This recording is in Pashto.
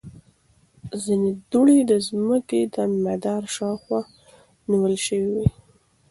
ځینې دوړې د ځمکې مدار شاوخوا نیول شوې وي.